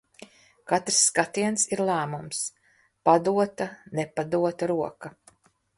Katrs skatiens ir lēmums, padota, nepadota roka.